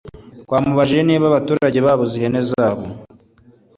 Twamubajije niba abaturage babuze ihene zabo